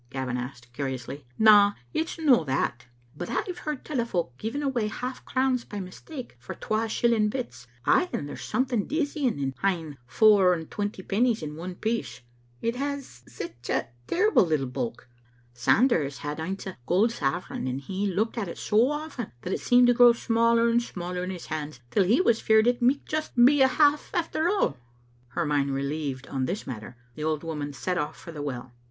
Gavin asked, curiously. "Na, it's no that. But I've heard tell o' folk giving away half crowns' by mistake for twa shilling bits; ay, and there's something dizzying in ha'en fower and twenty pennies in one piece; it has sic terrible little bulk. Sanders had aince a gold sovereign, and he looked at it so often that it seemed to grow smaller and smaller in his hand till he was feared it micht just be a half affdr all." Her /*iind relieved on this matter, the old woman set off for the well.